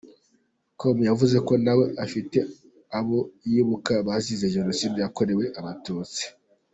com yavuze ko nawe afite abo yibuka bazize Jenoside yakorewe abatutsi.